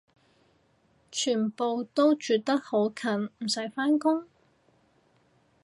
全部住得好近唔使返工？